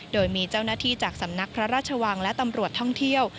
โดยมีเจ้าหน้าที่จากสำนักพระราชวังและตำรวจท่องเที่ยว